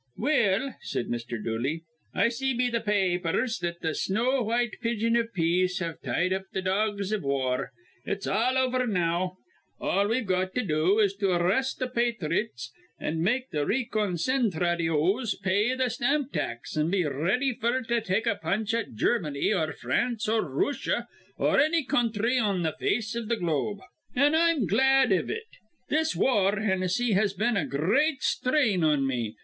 "Well," said Mr. Dooley, "I see be th' pa apers that th' snow white pigeon iv peace have tied up th' dogs iv war. It's all over now. All we've got to do is to arrest th' pathrites an' make th' reconcenthradios pay th' stamp tax, an' be r ready f'r to take a punch at Germany or France or Rooshia or anny counthry on th' face iv th' globe. "An' I'm glad iv it. This war, Hinnissy, has been a gr reat sthrain on me.